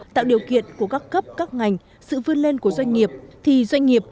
tạo điều kiện của các cấp các ngành sự vươn lên của doanh nghiệp thì doanh nghiệp